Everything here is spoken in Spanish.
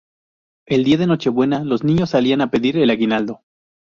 El día de Nochebuena los niños salían a pedir el aguinaldo.